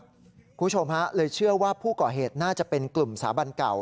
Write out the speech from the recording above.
คุณผู้ชมฮะเลยเชื่อว่าผู้ก่อเหตุน่าจะเป็นกลุ่มสาบันเก่า